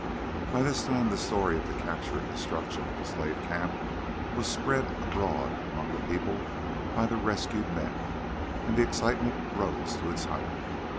By this time the story of the capture and destruction of the slave camp was spread abroad among the people by the rescued men, and the excitement rose to its height.